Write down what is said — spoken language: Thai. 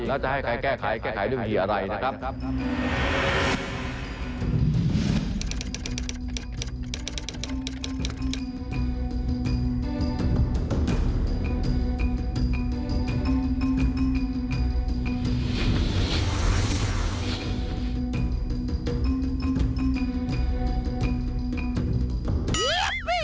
แล้วจะให้ใครแก้ไขแก้ไขเรื่องกี่อะไรนะครับ